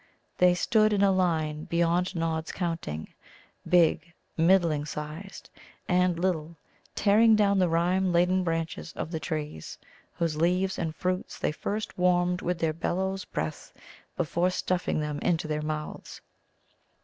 They stood in a line beyond Nod's counting big, middling sized, and little tearing down the rime laden branches of the trees, whose leaves and fruits they first warmed with their bellows breath before stuffing them into their mouths.